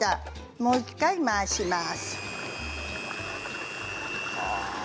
もう１回、回します。